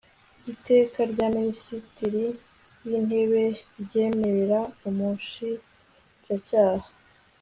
iteka rya minisitiri w intebe ryemerera umushinjacyaha